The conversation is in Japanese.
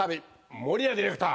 森屋ディレクター。